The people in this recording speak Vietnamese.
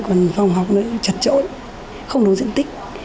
còn phòng học nó chật chội không đủ diện tích